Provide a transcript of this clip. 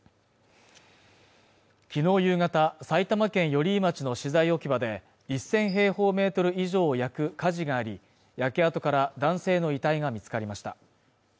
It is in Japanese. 昨日夕方、埼玉県寄居町の資材置き場で１０００平方メートル以上を焼く火事があり焼け跡から男性の遺体が見つかりました